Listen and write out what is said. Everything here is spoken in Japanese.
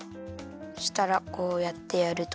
そしたらこうやってやると。